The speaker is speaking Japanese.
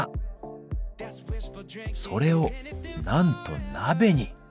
それをなんと鍋に！